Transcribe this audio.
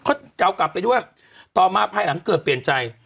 เขาจะเอากลับไปด้วยต่อมาภายหลังเกิดเปลี่ยนใจ